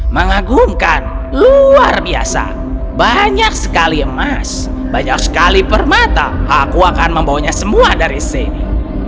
mengagumkan luar biasa banyak sekali emas banyak sekali permata aku akan membawanya semua dari sini